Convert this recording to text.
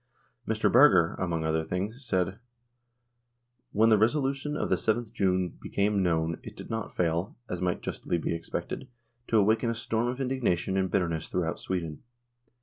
Mr. Berger, among other things, said :".... When the resolution of the 7th June became known, it did not fail, as might justly be expected, to awaken a storm of indignation and bitterness through out Sweden.